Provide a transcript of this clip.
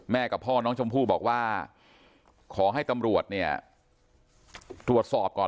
กับพ่อน้องชมพู่บอกว่าขอให้ตำรวจเนี่ยตรวจสอบก่อน